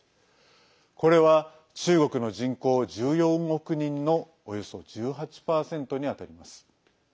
これは、中国の人口１４億人のおよそ１８％に当たります。